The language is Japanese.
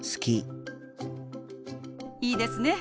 いいですね。